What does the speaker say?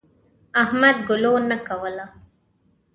احمد ګلو نه کوله.